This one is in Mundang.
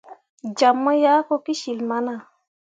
Jam mu yah ko kecil mana.